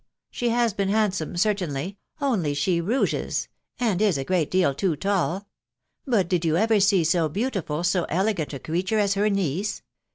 . she has been handsome, certainly .... only she rouges, and is a great deal too tall .... But, did you ever see so beautiful, so elegant a creature as her niece